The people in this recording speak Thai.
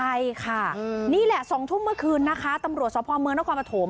ใช่ค่ะนี่แหละ๒ทุ่มเมื่อคืนนะคะตำรวจสภเมืองนครปฐม